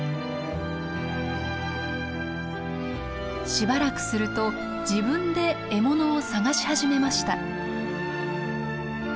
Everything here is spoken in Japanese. しばらくすると自分で獲物を探し始めました。